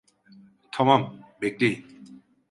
Tamam, bekleyin.